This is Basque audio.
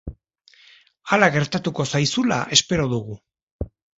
Hala gertatuko zaizula espero dugu.